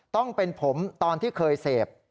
ต้องเป็นผมตอนที่เคยเสพ